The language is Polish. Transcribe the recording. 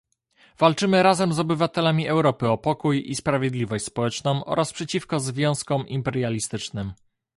Walczymy razem z obywatelami Europy o pokój i sprawiedliwość społeczną oraz przeciwko związkom imperialistycznym